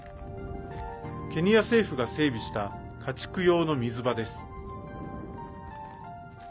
ケニア政府が整備した家畜用の水場です。